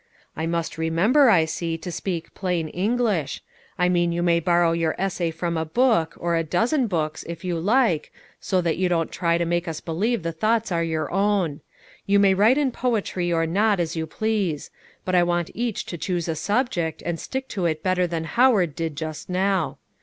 "I must remember, I see, to speak plain English; I mean you may borrow your essay from a book, or a dozen books, if you like, so that you don't try to make us believe the thoughts are your own. You may write in poetry or not, as you please; but I want each to choose a subject, and stick to it better than Howard did just now.